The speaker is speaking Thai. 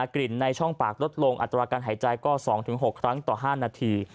กลิ่นในช่องปากลดลงอัตราการหายใจก็๒๖ครั้งต่อ๕นาที